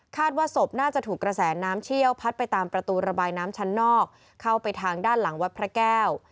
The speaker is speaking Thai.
ว่าศพน่าจะถูกกระแสน้ำเชี่ยวพัดไปตามประตูระบายน้ำชั้นนอกเข้าไปทางด้านหลังวัดพระแก้ว